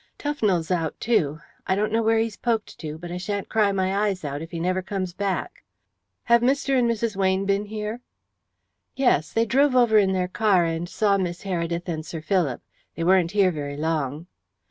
Tufnell's out too. I don't know where he's poked to, but I shan't cry my eyes out if he never comes back." "Have Mr. and Mrs. Weyne been here?" "Yes. They drove over in their car, and saw Miss Heredith and Sir Philip. They weren't here very long."